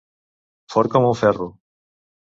Fort com un ferro.